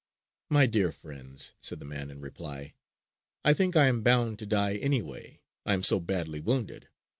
"My dear friends," said the man in reply, "I think I am bound to die anyway, I am so badly wounded.